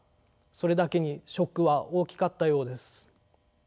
それだけにショックは大きかったようです。